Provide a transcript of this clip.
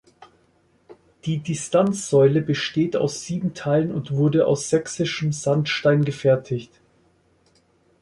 Die Distanzsäule besteht aus sieben Teilen und wurde aus sächsischem Sandstein gefertigt.